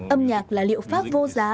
âm nhạc là liệu pháp vô giá